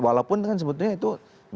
walaupun kan sebetulnya itu